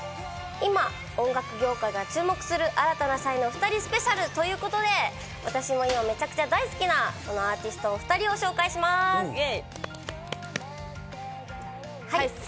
今、音楽業界が注目する新たな才能２人スペシャルということで、私も今めちゃくちゃ大好きなアーティスト２人をイエイ！